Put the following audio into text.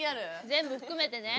全部含めてね。